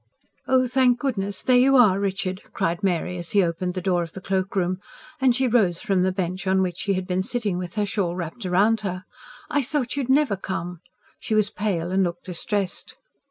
"Oh, thank goodness, there you are, Richard!" cried Mary as he opened the door of the cloakroom; and she rose from the bench on which she had been sitting with her shawl wrapped round her. "I thought you'd never come." She was pale, and looked distressed.